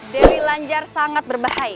dewi lanjar sangat berbantuan